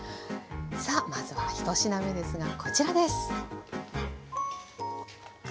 さあまずは１品目ですがこちらです。